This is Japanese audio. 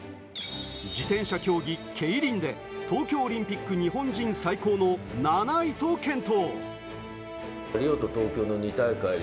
自転車競技ケイリンで、東京オリンピック日本人最高の７位と健闘。